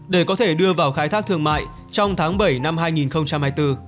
để có thể đưa vào khai thác thương mại trong tháng bảy năm hai nghìn hai mươi bốn